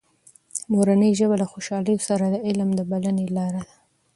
مورنۍ ژبه له خوشحالۍ سره د علم د بلنې لاره ده.